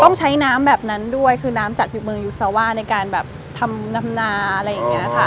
ต้องใช้น้ำแบบนั้นด้วยคือน้ำจากเมืองยูซาว่าในการแบบทำดำนาอะไรอย่างนี้ค่ะ